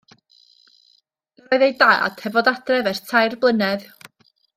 Yr oedd ei dad heb fod adref ers tair blynedd.